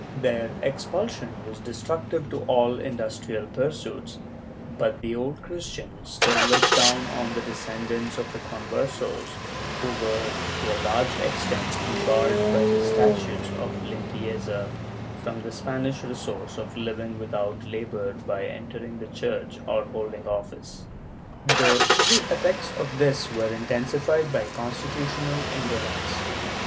Their expulsion was destructive to all industrial pursuits, but the Old Christian still looked down on the descendants of the Conversos who were to a large extent de barred, by the statutes of Limpieza, from the Spanish resource of living without labor by entering the Church or holding office. The evil effects of this were intensified by constitutional indolence.